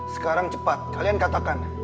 sekarang cepat kalian katakan